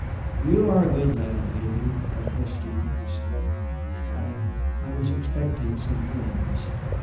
"You are a good lad, Davy. I trust you," he said. "I I was expecting some friends."